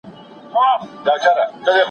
شاید دا غږ د کوم بل چا وي.